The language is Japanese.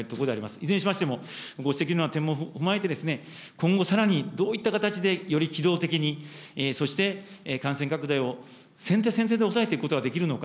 いずれにしましても、ご指摘の点も踏まえてですね、今後さらにどういった形でより機動的に、そして、感染拡大を先手先手で抑えていくことができるのか。